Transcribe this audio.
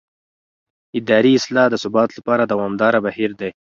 اداري اصلاح د ثبات لپاره دوامداره بهیر دی